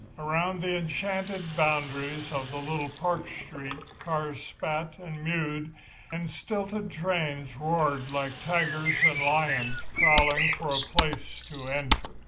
Around the enchanted boundaries of the little park street cars spat and mewed and the stilted trains roared like tigers and lions prowling for a place to enter.